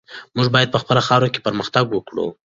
موږ باید په خپله خاوره کې پرمختګ وکړو.